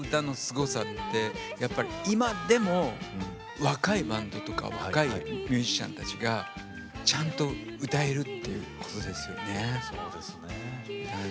昭和の歌のすごさってやっぱり今でも若いバンドとか若いミュージシャンたちがちゃんと歌えるということですよね。